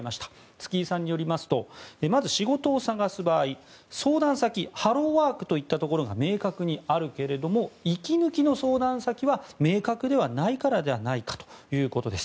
月井さんによりますとまず仕事を探す場合相談先ハローワークといったところが明確にあるけれども息抜きの相談先は明確ではないからではないかということです。